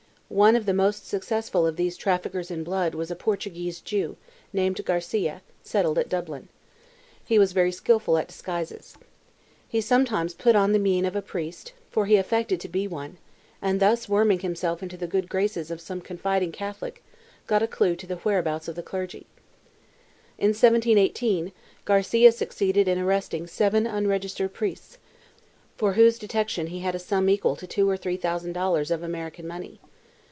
One of the most successful of these traffickers in blood was a Portuguese Jew, named Garcia, settled at Dublin. He was very skilful at disguises. "He sometimes put on the mien of a priest, for he affected to be one, and thus worming himself into the good graces of some confiding Catholic got a clue to the whereabouts of the clergy." In 1718, Garcia succeeded in arresting seven unregistered priests, for whose detection he had a sum equal to two or three thousand dollars of American money.